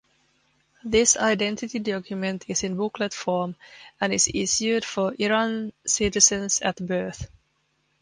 This identity document is in booklet form and issued for Iran citizens at birth.